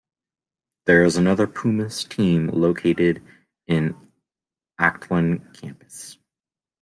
There is another Pumas team located in Acatlan Campus.